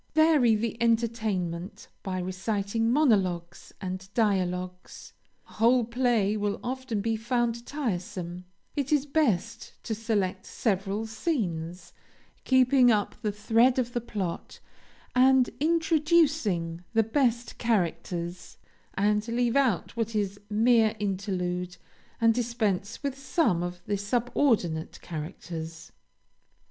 Vary the entertainment by reciting monologues and dialogues. A whole play will often be found tiresome; it is best to select several scenes, keeping up the thread of the plot, and introducing the best characters, and leave out what is mere interlude, and dispense with some of the subordinate characters.